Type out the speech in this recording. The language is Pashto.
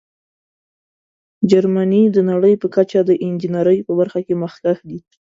جرمني د نړۍ په کچه د انجینیرۍ په برخه کې مخکښ دی.